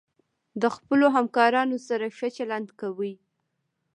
د خپلو همکارانو سره ښه چلند کوئ.